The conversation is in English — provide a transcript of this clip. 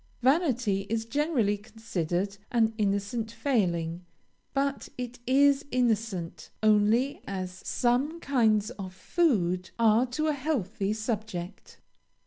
Vanity is generally considered an innocent failing; but it is innocent only as some kinds of food are to a healthy subject.